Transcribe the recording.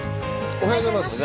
おはようございます。